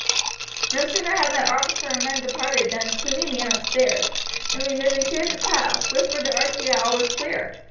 No sooner had the officer and men departed than Cluny ran upstairs, and removing two of the tiles, whispered to Archie that all was clear.